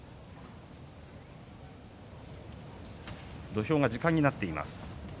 土俵が時間になっています。